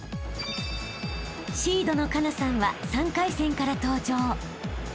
［シードの佳那さんは３回戦から登場］